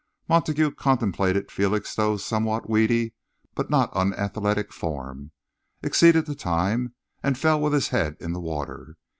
Montague contemplated Felixstowe's somewhat weedy but not unathletic form, exceeded the time and fell with his head in the water.